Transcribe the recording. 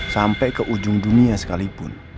sampai ke ujung dunia sekalipun